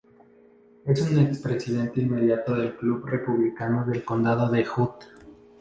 Es un expresidente inmediato del club republicano del Condado de Hood.